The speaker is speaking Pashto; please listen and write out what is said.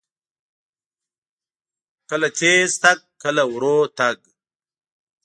کله تیز تګ، کله ورو تګ.